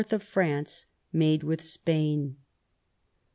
of France made with Spain.